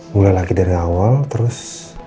mulai lagi dari awal terus